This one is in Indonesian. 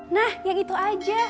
nah yang itu aja